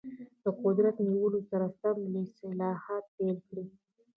د قدرت نیولو سره سم یې اصلاحات پیل کړل.